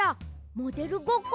モデルごっこ？